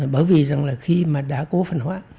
bởi vì rằng là khi mà đã cố phần hóa